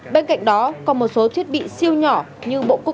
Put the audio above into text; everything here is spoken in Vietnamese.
bên cạnh đó còn một số thiết bị siêu nhỏ như bộ cúc áo